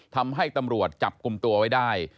ทำให้ตำรวจจับกลุ่มตัวไว้ได้